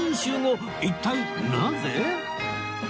一体なぜ！？